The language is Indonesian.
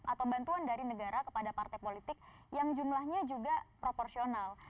atau bantuan dari negara kepada partai politik yang jumlahnya juga proporsional